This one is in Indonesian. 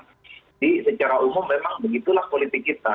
jadi secara umum memang begitulah politik kita